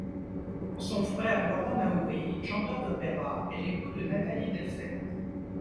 Son frère Laurent Naouri, chanteur d'opéra, est l'époux de Natalie Dessay.